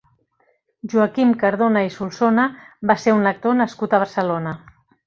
Joaquim Cardona i Solsona va ser un actor nascut a Barcelona.